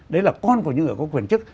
đấy là con của những người có quyền chức